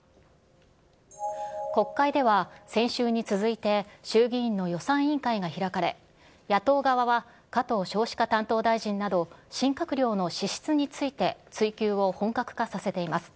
国会では、先週に続いて、衆議院の予算委員会が開かれ、野党側は加藤少子化担当大臣など、新閣僚の資質について追及を本格化させています。